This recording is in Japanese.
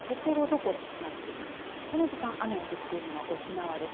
この時間雨が降っているのは沖縄です。